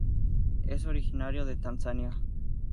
Es originario de Tanzania.